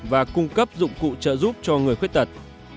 và cung cấp dụng cụ trợ giúp cho người khuyết tật